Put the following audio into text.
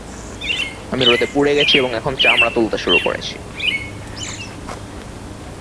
আমি রোদে পুড়ে গেছি আর এখন চামড়া তুলতে শুরু করেছি।